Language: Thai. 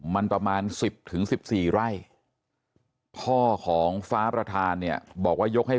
มันประมาณ๑๐๑๔ไร่พ่อของฟ้าประธานเนี่ยบอกว่ายกให้